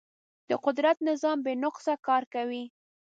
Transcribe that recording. د قدرت نظام بې نقصه کار کوي.